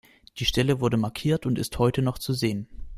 Die Stelle wurde markiert und ist heute noch zu sehen.